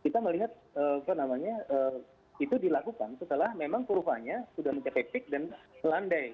kita melihat itu dilakukan setelah memang kurvanya sudah mencapai peak dan melandai